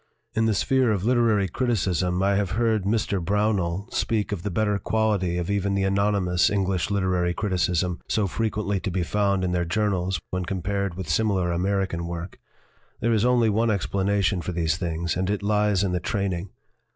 In the sphere of literary criticism I have heard Mr. Brownell speak of the better quality of even the anonymous English literary criticism so fre quently to be found in their journals when com pared with similar American work. There is only one explanation for these things, and it lies in the training.